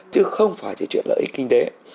chứ không phải chỉ chuyện lợi ích kinh tế